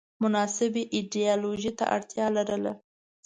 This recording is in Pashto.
مناسبې ایدیالوژۍ ته اړتیا لرله